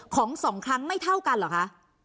๒ครั้งไม่เท่ากันเหรอคะ